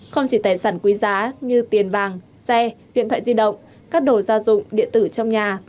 không chỉ tài sản quý giá như tiền vàng xe điện thoại di động các đồ gia dụng điện tử trong nhà